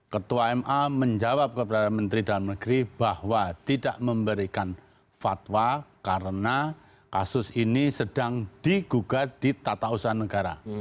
ketua ma menjawab kepada menteri dalam negeri bahwa tidak memberikan fatwa karena kasus ini sedang digugat di tata usaha negara